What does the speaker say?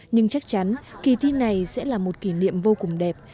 nhưng chắc chắn kỳ thi này sẽ là một kỷ niệm vô cùng đẹp